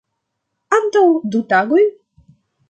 Antaŭ du tagoj.